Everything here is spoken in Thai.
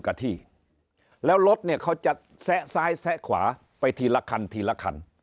กับที่แล้วรถเนี่ยเขาจะแซะซ้ายแซะขวาไปทีละคันทีละคัน